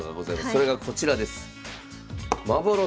それがこちらです。